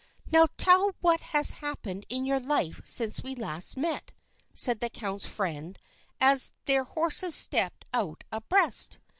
"Now, tell what has happened in your life since we last met," said the count's friend as their horses stepped out abreast.